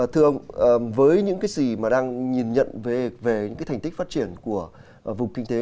thưa ông với những gì đang nhìn nhận về thành tích phát triển của vùng kinh tế